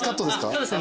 そうです